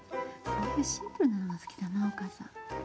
こういうシンプルなのが好きだなお母さん。